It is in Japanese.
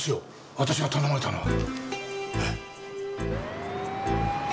私が頼まれたのは。